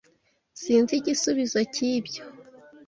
Sinzi igisubizo cyibyo.